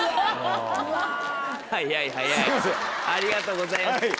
早い早いありがとうございます。